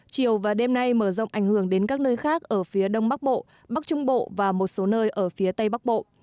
chiều và đêm nay mở rộng ảnh hưởng đến các nơi khác ở phía đông bắc bộ bắc trung bộ và một số nơi ở phía tây bắc bộ